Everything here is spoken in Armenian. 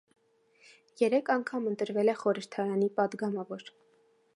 Երեք անգամ ընտրվել է խորհրդարանի պատգամավոր։